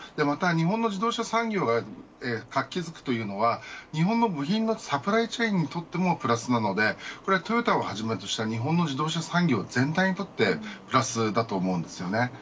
また日本の自動車産業が活気づくというのは日本の部品のサプライチェーンにとってもプラスなのでこれはトヨタをはじめとした日本の自動車産業全体にとってプラスだと思います。